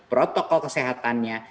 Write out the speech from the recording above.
tapi protokol kesehatannya